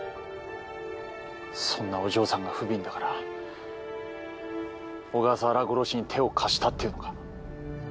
そんなお嬢さんがふびんだから小笠原殺しに手を貸したっていうのか。